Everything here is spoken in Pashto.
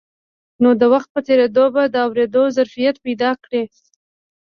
نو د وخت په تېرېدو به د اورېدو ظرفيت پيدا کړي.